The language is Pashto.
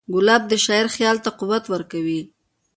ګلاب د شاعر خیال ته قوت ورکوي.